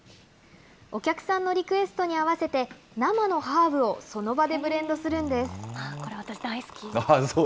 お客さんのリクエストに合わせて、生のハーブをその場でブレンドすこれ、私大好き。